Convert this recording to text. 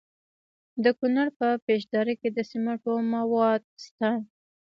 د کونړ په پیچ دره کې د سمنټو مواد شته.